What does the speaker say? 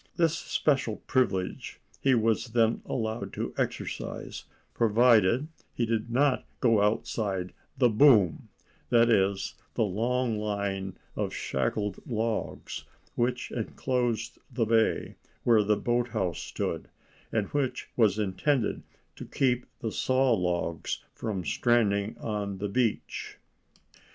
This special privilege he was then allowed to exercise, provided he did not go outside the "boom"—that is, the long line of shackled logs which enclosed the bay where the boathouse stood, and which was intended to keep the saw logs from stranding on the beach.